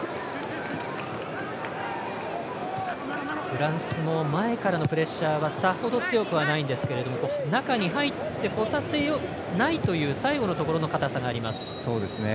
フランスも前からのプレッシャーはさほど強くはないんですが中に入ってこさせないという最後のところの堅さがあります。